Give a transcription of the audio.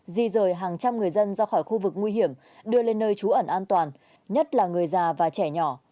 di rời hàng trăm người dân ra khỏi khu vực nguy hiểm đưa lên nơi trú ẩn an toàn nhất là người già và trẻ nhỏ